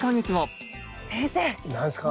何ですか？